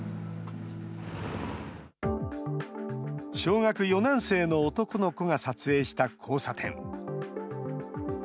小学４年生の男の子が撮影した交差点。